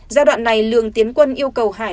giai đoạn này lượng tiến quân yêu cầu hải